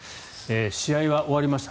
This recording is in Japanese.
試合は終わりました。